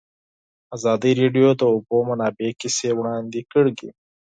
ازادي راډیو د د اوبو منابع کیسې وړاندې کړي.